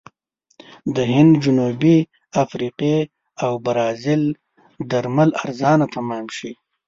د هند، جنوبي افریقې او برازیل درمل ارزانه تمام شي.